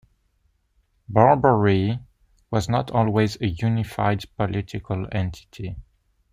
"Barbary" was not always a unified political entity.